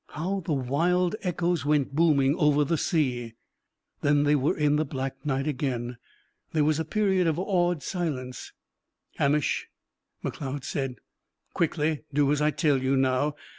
How the wild echoes went booming over the sea! Then they were in the black night again. There was a period of awed silence. "Hamish," Macleod said, quickly, "do as I tell you now!